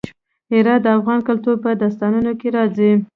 هرات د افغان کلتور په داستانونو کې راځي.